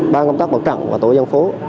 ban công tác mặt trận và tổ dân phố